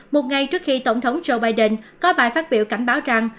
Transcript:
một ngày trước khi tổng thống joe biden có bài phát biểu cảnh báo rằng